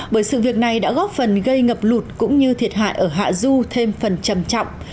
bởi sự việc này đã góp phần gây ngập lụt cũng như thiệt hại ở hạ du thêm phần trầm trọng